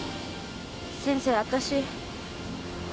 先生、私。